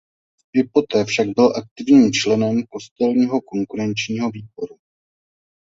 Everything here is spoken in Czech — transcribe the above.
I poté však byl aktivním členem kostelního konkurenčního výboru.